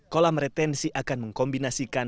kolam retensi akan mengkombinasikan